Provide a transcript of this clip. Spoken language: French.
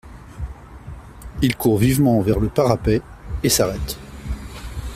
Il court vivement vers le parapet et s’arrête.